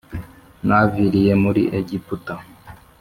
Mwaviriye muri egiputa